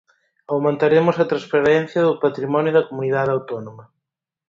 Aumentaremos a transparencia do patrimonio da Comunidade Autónoma.